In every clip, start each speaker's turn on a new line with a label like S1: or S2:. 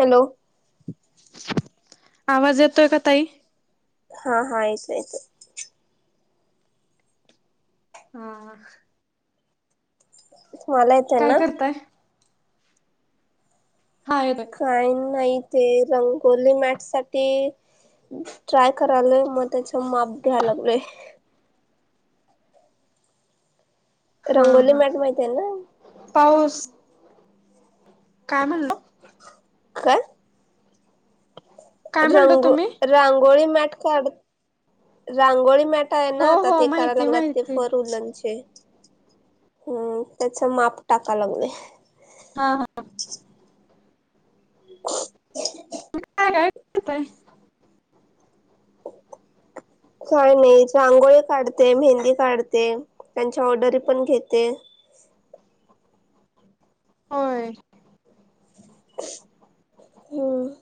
S1: Hello
S2: आवाज येतोय का ताई
S1: हा हा आयतयत
S2: हा
S1: त मला येत आहे
S2: काय
S1: ना
S2: करताय? हा येतोय
S1: काही नाही ते रंगोली मॅट सा ट्राय करालय मग त्याच माप द्या लागलय
S2: हा
S1: रंगोली
S2: हा
S1: मॅट माहती आहे ना
S2: पाऊस काय म्हणलो
S1: का
S2: काय म्हणलं
S1: रंगो
S2: तुम्ही?
S1: रांगोळी मॅट काढ रांगोळी मॅ य
S2: हो
S1: ना आता
S2: हो
S1: ते कराय
S2: माहिती
S1: लागलात ते
S2: माहिती
S1: फरचे हम्म त्याच माप टाका लागलंय
S2: हा हा
S1: रीकाम आहे
S2: काय कायेतय [unintelligible] रीकाम आहे
S1: काय नाही रांगोळी काढते मेहंदी काढते त्यांच्या ऑर्डरी पण घेते [unintelligible]
S2: होय
S1: हम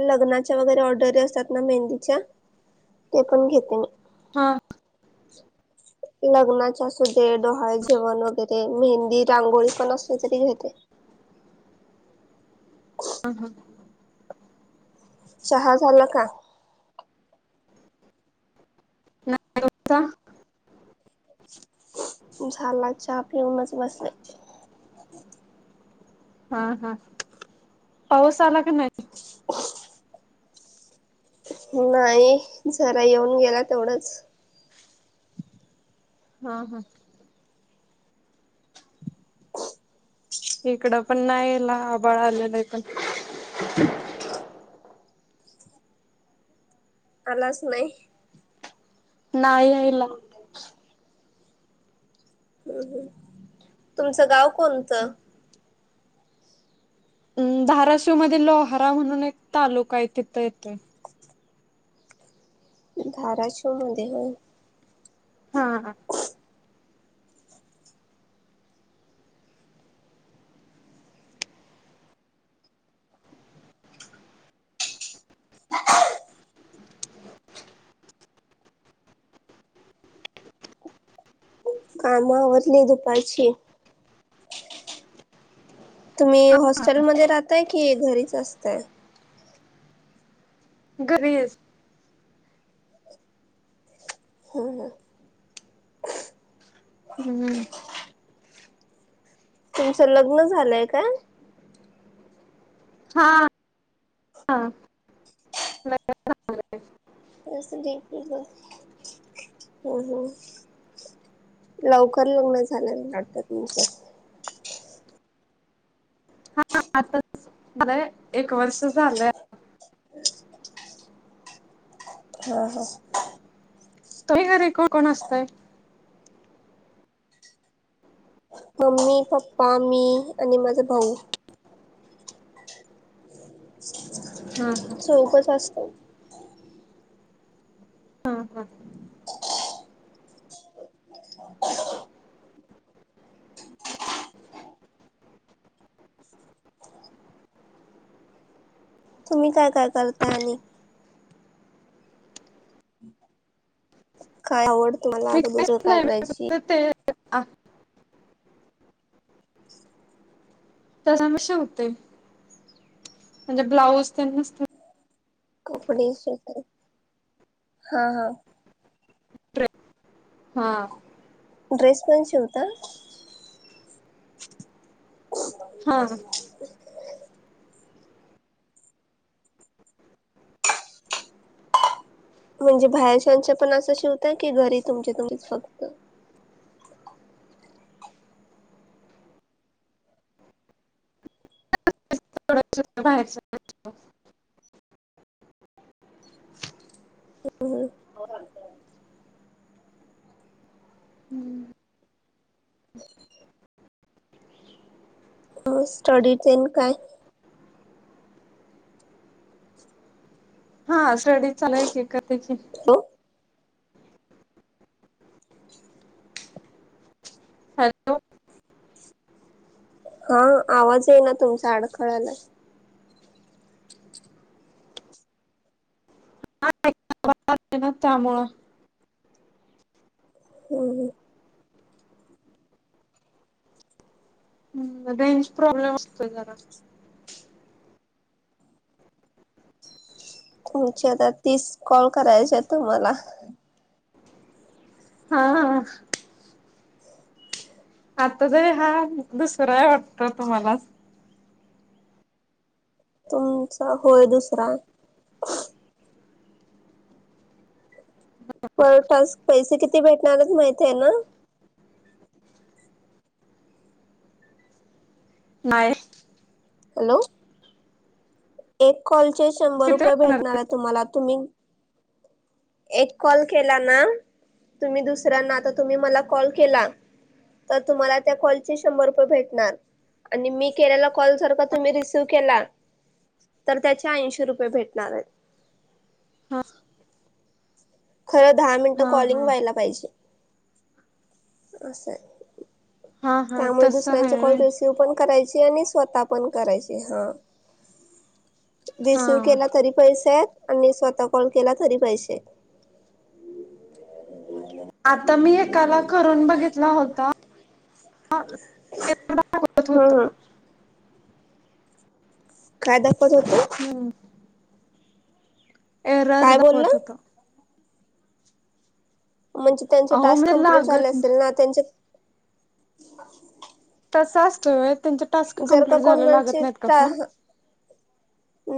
S1: लग्नाच्या वगैरे ऑर्डर असतात ना मेहंदीच्या ते पण घेते मी
S2: हा
S1: लग्नाचे असू दे डोहाळ जेवण वगैरे मेहंदी रांगोळी पण असली तरी घेते
S2: हम् हम
S1: सहा झालं का
S2: नाही
S1: झाला चहा पिऊनच बस
S2: हा हा पाऊस आला की नाही
S1: नाही जरा येऊन गेला तेवढंच
S2: हा हा इकडं पण नाहीला आबाळ आलेला आहे पण
S1: आलाच नाही
S2: नाहीय आईला
S1: हम् हम् तुमचं गाव कोणतं
S2: अ धाराशिव मध्ये लोहारा म्हणून एक तालुका आहे तिथं यथे
S1: धारा ो मध्ये ह
S2: हा ह
S1: कामवरतली दुपारची तुम्ही हॉस्टेलमध्ये राहताय की घरीच असताय
S2: गरज
S1: हा ह
S2: हम्म
S1: तुमचं लग्न झालंय काय
S2: हा हा नाही झालाय
S1: तस दे की ग हम हम लवकर लग्न झालं वाटत तुमच
S2: आताच मला एक वर्ष झालंय आता
S1: हा हा
S2: तरी घरी कोण कोण असतय
S1: मम्मी पप्पा मी आणि माझा भाऊ
S2: हा हा
S1: सोपच असत
S2: हा हा
S1: तुम्ही काय काय करता आणि काय आवड तुम्हाला
S2: मी
S1: असं दुसरं
S2: काहीच
S1: काय
S2: नाही
S1: करायची?
S2: फक्त ते त्या समस्या होतय म्हणजे ब्लाऊज ते नसत
S1: कपडे शिवतात हा हा
S2: हा
S1: ड्रेस पण शिवता
S2: हा
S1: म्हणजे बाहेरच्याचे पण असं शिवताय की घरी तुमच्या तुमच फक्त
S2: घरातल्यांचे बाहेरच्यांचे पण
S1: हम्म
S2: हम्म
S1: हो स्टडी तेन काय
S2: हा स्टडी चालाय की करते की
S1: हो
S2: हॅलो
S1: हा आवाज आहे ना तुमचा अडखळालाय
S2: ना त्यामुळं
S1: हम- -
S2: हम्म रेंज प्रॉब्लेम असतोय घरात
S1: अच्छा तर तीस कॉल करायचे तुम्हाला
S2: हा हा आता जरी हा दुसराय वाटत तुम्हाला
S1: तुमचा होय दुसरा पहिला टास्क पैसे किती भेटणार माहती आहे ना.
S2: नाही
S1: हॅलो एक कॉलचे शंभर
S2: किती
S1: रुपये
S2: होणार
S1: भेटणार आहे तुम्हाला तुम्ही एक कॉल केला ना तुम्ही दुसऱ्यांना तर तुम्ही मला कॉल केला तर तुम्हाला त्या कॉलचे शंभर रुपये भेटणार. आणि मी केलेला कॉल जर का तुम्ही रिसिव्ह केला तर त्याचे ऐंशी रुपये भेटणार आहेत.
S2: हा.
S1: खरं दहा मिनटं कॉलिंग
S2: हा
S1: व्हायला पाहिजे असंय.
S2: हा हा
S1: त्यामुळे
S2: तसं
S1: दुसऱ्यांचे
S2: आहे
S1: कॉल
S2: व्हय.
S1: रिसिव्ह पण करायचे. आणि स्वतः पण करायचे हा. रिसीव्ह
S2: हा
S1: केला तरी पैसे आहेत. आणि स्वतः कॉल केला तरी पैसे
S2: आता मी एकाला करून बघितला होता. [unintelligible] त होत
S1: हम्म हम्म काय दाखत होत.
S2: हम्म एरर
S1: काय
S2: दाखवत
S1: बोलला
S2: होता.
S1: म्हणजे त्यांचे
S2: अहो
S1: टास्क
S2: म्हणजे
S1: कंप्लीट झाले
S2: लागत
S1: असेल ना त्यांच्या..
S2: अस असते होय त्याचे टास्क कंप्लीट
S1: का
S2: झालं लागत
S1: कोणाचे
S2: नाही का फोन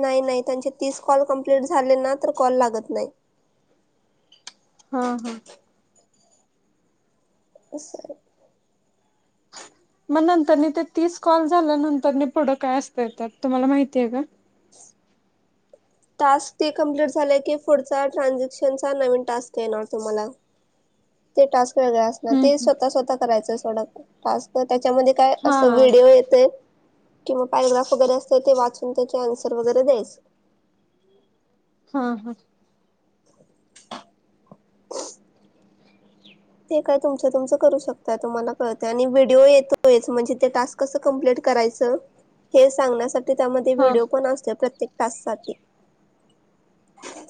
S1: नाही नाही त्यांचे तीस कॉल कमप्लीट झाले ना तर कॉल लागत नाही.
S2: हा हा
S1: अस आहे.
S2: [inaudible] मग नंतरनी ते तीस कॉल झाल्या नंतर पुढं काय असत त्यात तुम्हाला माहिती आहे का?
S1: टास्क ते कम्प्लीट झालंय की पुढचा ट्रानझॅक्शनचा नवीन टास्क येणार तुम्हाला. ते टास्क वेगरे असणार
S2: हम्म
S1: ते
S2: हम्म
S1: स्वतः स्वतः करायच सोडा टास्क त्याच्यामध्ये काय असं
S2: हा
S1: व्हिडिओ येतय. किंवा पॅरग्राफ वगैरे असत ते वाचून त्याचे आन्सर वगैरे द्यायचे.
S2: हा हा
S1: [inaudible] ते काय तुमचं तुमच करू शकता तुम्हाला कळते आणि व्हिडिओ येतोय म्हणजे ते टास्क कसं कंप्लीट करायच हे सांगण्यासाठी त्यामध्ये
S2: हा
S1: व्हिडिओ पण असते प्रत्येक टास्क साठी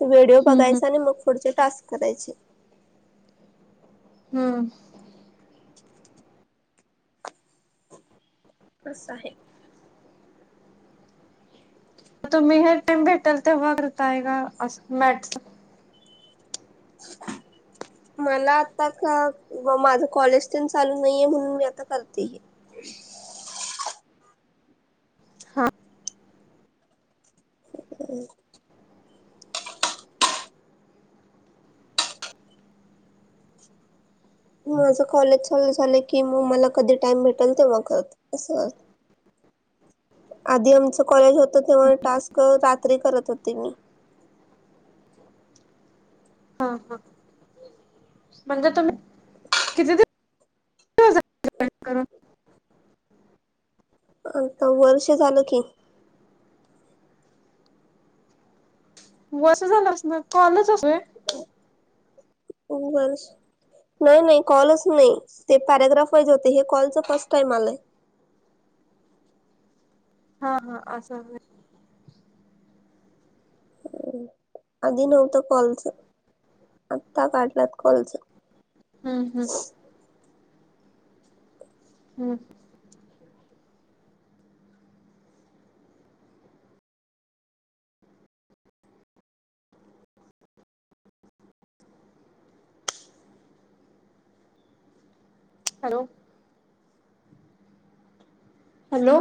S1: त व्हिडिओ
S2: हम्म हम्म
S1: बघायचा आणि मग पुढचे टास्क करायचे.
S2: हम
S1: असं आहे.
S2: तुम्ही हे टाइम भेटल तेव्हा करता आहे का असं मॅटच [inaudible]
S1: मला आता माझ कॉलेज तिनं चालू नाहीये म्हणून मी आता करते.
S2: [inaudible] हा.
S1: हम् माझं कॉलेज चालू झालं की मग मला कधी टाइम भेटेल तेव्हा करत असं आधी आमचं कॉलेज होत तेव्हा टास्क रात्री करत होते मी.
S2: [inaudible] हा हा म्हणजे तुम्ही किती? कर
S1: आता वर्ष झालं की
S2: वसं झालंस ना कॉलच असतूय
S1: उंगल नाही नाही कॉलच नाही ते पॅरग्राफईज होते हे कॉलच फर्स्ट टाइम आलाय
S2: [inaudible] हा हा असं
S1: आधी नव्हतं कॉल्च आत्ता काढलात कॉल्च
S2: हम्म हम्म हम्म हॅलो हॅलो